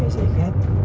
mình sẽ nhớ ơn cảm ơn họ